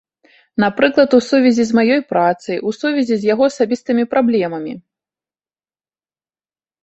Напрыклад, у сувязі з маёй працай, у сувязі з яго асабістымі праблемамі.